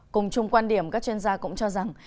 cùng chung quan điểm các chuyên gia cũng cho rằng